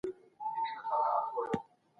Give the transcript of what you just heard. د علمي تجزیاتو او ارزونو ترلاسه کول مهم دي.